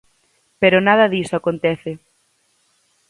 Pero nada diso acontece.